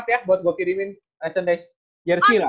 minta alamat ya buat gue kirimin merchandise yersi lah